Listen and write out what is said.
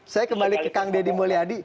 saya kembali ke kang deddy mulyadi